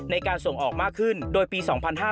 ในการส่งออกมากขึ้นโดยปี๒๕๕๙